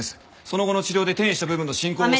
その後の治療で転移した部分の進行を抑え。